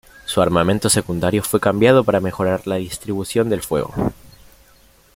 Su armamento secundario fue cambiado para mejorar la distribución del fuego.